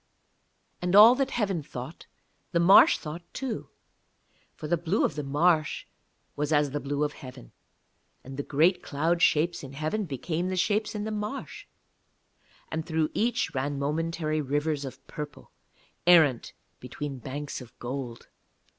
And all that heaven thought, the marsh thought too; for the blue of the marsh was as the blue of heaven, and the great cloud shapes in heaven became the shapes in the marsh, and through each ran momentary rivers of purple, errant between banks of gold.